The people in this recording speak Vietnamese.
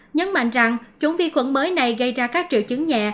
nhấn mạnh rằng chủng vi khuẩn mới này gây ra các triệu chứng nhẹ